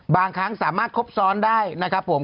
บางครั้งสามารถครบซ้อนได้นะครับผม